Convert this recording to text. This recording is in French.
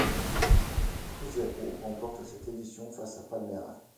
Cruzeiro remporte cette édition face à Palmeiras.